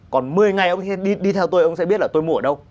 còn một mươi ngày ông sẽ đi theo tôi ông sẽ biết là tôi mua ở đâu